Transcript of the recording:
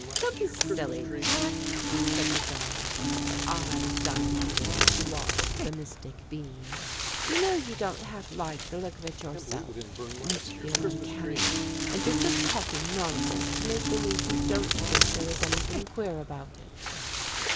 "Don't be silly, Jack!" said the girl, her eyes dilating as she watched the mystic beam. "You know you don't half like the look of it yourself. It makes you feel uncanny, and you're just talking nonsense to make believe you don't think there is anything queer about it!"